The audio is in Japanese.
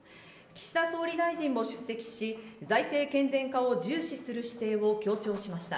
岸田総理大臣も出席し、財政健全化を重視する姿勢を強調しました。